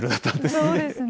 そうですね。